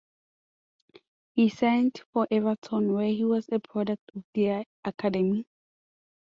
He signed for Everton where he was a product of their academy.